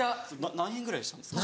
何円ぐらいしたんですか？